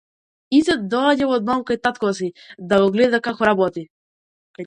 Изет доаѓал од мал кај татко си, да го гледа како работи.